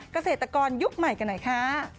เกษตรกรยุคใหม่กันหน่อยค่ะ